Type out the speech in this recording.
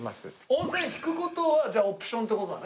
温泉引く事はじゃあオプションって事だね？